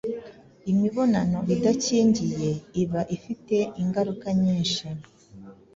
imibonano idakingiye iba ifite ingaruka nyinshi